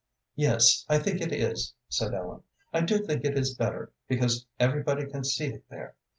"Yes, I think it is," said Ellen. "I do think it is better, because everybody can see it there.